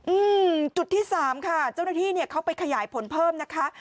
อืมจุดที่๓ค่ะเจ้านักหน้าที่เขาไปขยายผลเพิ่มนะคะ